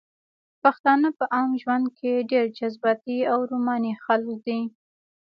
پښتانه په عام ژوند کښې ډېر جذباتي او روماني خلق دي